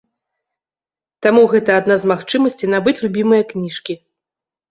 Таму гэта адна з магчымасцей набыць любімыя кніжкі.